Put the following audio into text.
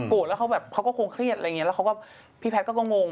โกรธแล้วเขาก็คงเครียดอะไรอย่างนี้แล้วพี่แพทย์ก็งง